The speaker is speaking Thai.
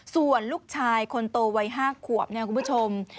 ส่วนลูกชายคนโตวัย๕ขวบเนี่ยคุณผู้ชม